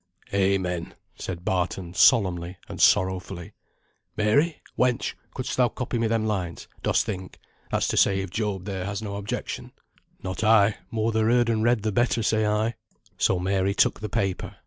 "Amen!" said Barton, solemnly, and sorrowfully. "Mary! wench, couldst thou copy me them lines, dost think? that's to say, if Job there has no objection." "Not I. More they're heard and read and the better, say I." So Mary took the paper.